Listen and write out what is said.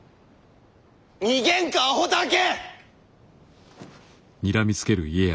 逃げんかあほたわけ！